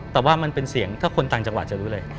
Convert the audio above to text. แต่ว่ามันเป็นเสียงถ้าคนต่างจังหวัดจะรู้เลย